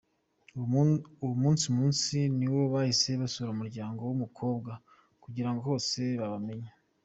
Uwo munsi munsi ni nawo bahise basura umuryango w’umukobwa kugira ngo hose babamenye.